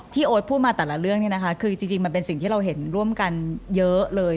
โอ๊ตพูดมาแต่ละเรื่องเนี่ยนะคะคือจริงมันเป็นสิ่งที่เราเห็นร่วมกันเยอะเลย